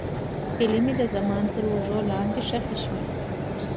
هیلې مې د زمان تر دوړو لاندې ښخې شوې.